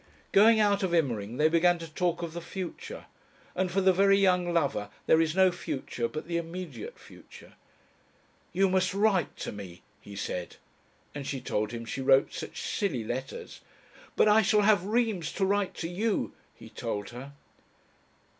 Going out of Immering they began to talk of the future. And for the very young lover there is no future but the immediate future. "You must write to me," he said, and she told him she wrote such silly letters. "But I shall have reams to write to you," he told her.